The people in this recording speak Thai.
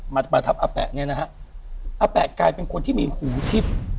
มาประทับอแมะนี้นะครับอแมะกลายเป็นคนที่มีหูงหูทิบ